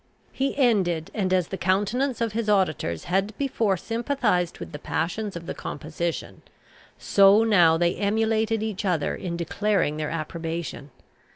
He ended: and, as the countenances of his auditors had before sympathised with the passions of the composition, so now they emulated each other in declaring their approbation.